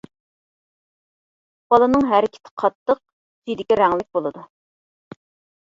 بالىنىڭ ھەرىكىتى قاتتىق سۈيدۈكى رەڭلىك بولىدۇ.